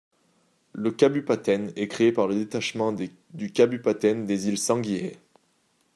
Le kabupaten est créé le par détachement du kabupaten des îles Sangihe.